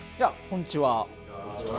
こんにちは。